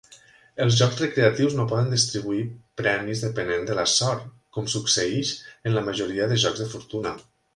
Els jocs recreatius no poden distribuir premis depenent de la sort, com succeeix en la majoria de jocs de fortuna.